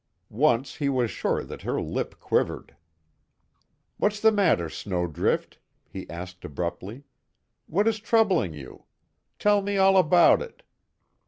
Once he was sure that her lip quivered. "What's the matter, Snowdrift," he asked abruptly, "What is troubling you? Tell me all about it.